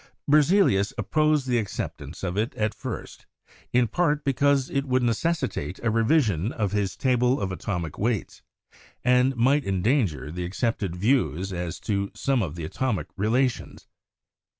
Berzelius opposed the acceptance of it at first, in part, because it would necessitate a revision of his table of atomic weights, and might endanger the accepted views as to some of the atomic relations.